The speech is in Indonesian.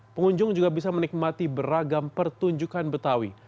pengunjung juga bisa menikmati beragam pertunjukan betawi